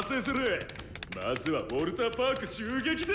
まずはウォルターパーク襲撃だ！